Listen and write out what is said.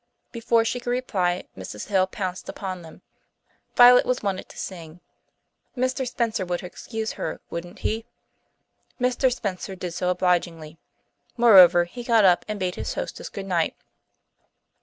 Before she could reply Mrs. Hill pounced upon them. Violet was wanted to sing. Mr. Spencer would excuse her, wouldn't he? Mr. Spencer did so obligingly. Moreover, he got up and bade his hostess good night.